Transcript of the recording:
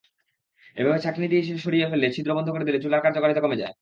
এভাবে ছাঁকনি সরিয়ে ফেললে, ছিদ্র বন্ধ করে দিলে চুলার কার্যকারিতা কমে যায়।